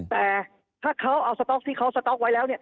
แต่ถ้าเขาเอาสต๊อกที่เขาสต๊อกไว้แล้วเนี่ย